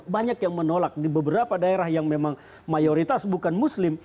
banyak yang menolak di beberapa daerah yang memang mayoritas bukan muslim